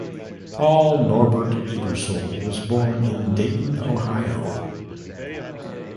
Paul Norbert Ebersol was born in Dayton, Ohio.